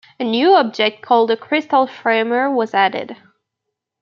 A new object called a Crystal Framer was added.